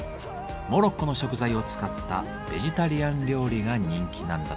モロッコの食材を使ったベジタリアン料理が人気なんだとか。